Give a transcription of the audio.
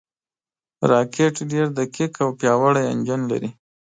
راکټ ډېر دقیق او پیاوړی انجن لري